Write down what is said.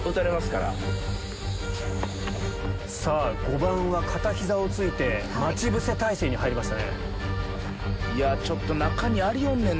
さぁ５番は片膝を突いて待ち伏せ態勢に入りましたね。